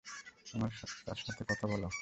আমার সাথে কথা বলাও।